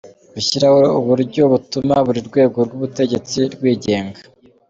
Gushyiraho uburyo butuma buri rwego rw’ubutegetsi rwigenga